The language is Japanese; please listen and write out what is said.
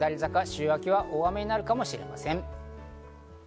週明けは大雨になるかもしれません。